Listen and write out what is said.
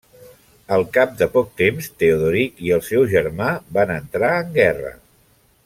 Al cap de poc temps, Teodoric i el seu germà van entrar en guerra.